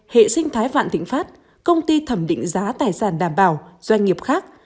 hệ sinh thái vạn thịnh pháp công ty thẩm định giá tài sản đảm bảo doanh nghiệp khác